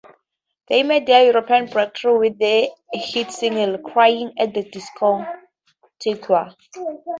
They made their European breakthrough with the hit single "Crying at the Discoteque".